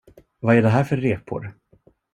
Vad är det här för repor?